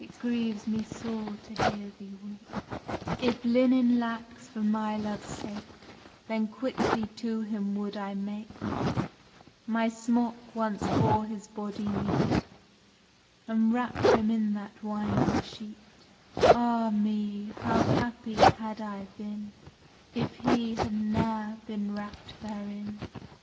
_ If linen lacks, for my love's sake Then quickly to him would I make My smock, once for his body meet, And wrap him in that winding sheet. Ah me! how happy had I been, If he had ne'er been wrapt therein.